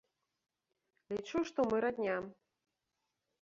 Лічу, што мы радня.